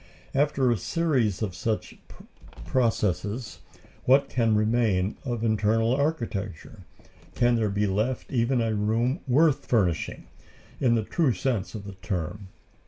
After a series of such processes, what can remain of internal architecture? Can there be left even a room worth furnishing, in the true sense of the term?